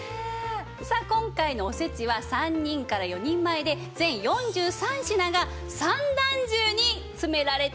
さあ今回のおせちは３人から４人前で全４３品が三段重に詰められています。